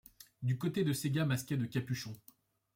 Du côté de ces gars masqués de capuchons ;